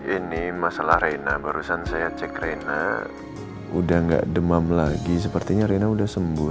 ini masalah reina barusan saya cek rena udah gak demam lagi sepertinya rina udah sembuh